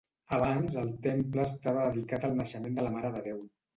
Abans el temple estava dedicat al naixement de la Mare de Déu.